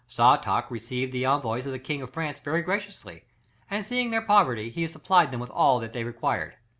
Sartach received the envoys of the King of France very graciously, and seeing their poverty, he supplied them with all that they required.